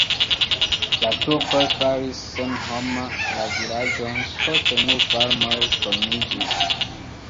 La turkoj faris senhoma la vilaĝon, poste nur farmoj formiĝis.